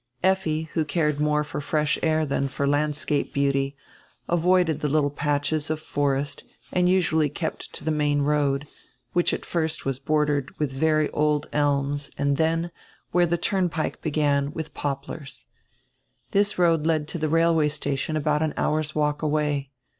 Effi, who cared more for fresh air than for landscape beauty, avoided the little patches of forest and usually kept to the main road, which at first was bordered with very old elms and then, where the turnpike began, with poplars. This road led to the railway station about an hour's walk away.